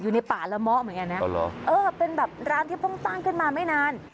อยู่ในป่าละเมาะเหมือนกันนะเออเป็นแบบร้านที่เพิ่งตั้งขึ้นมาไม่นาน